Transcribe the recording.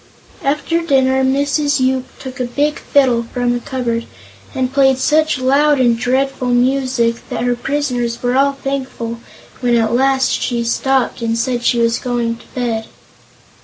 After dinner Mrs. Yoop took a big fiddle from a big cupboard and played such loud and dreadful music that her prisoners were all thankful when at last she stopped and said she was going to bed.